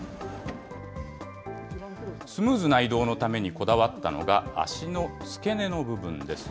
スムーズな移動のためにこだわったのが、足の付け根の部分です。